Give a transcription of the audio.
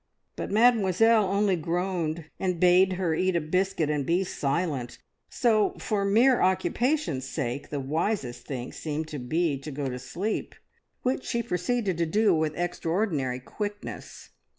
But Mademoiselle only groaned and bade her eat a biscuit and be silent; so for mere occupation's sake the wisest thing seemed to be to go to sleep, which she proceeded to do with extraordinary quickness.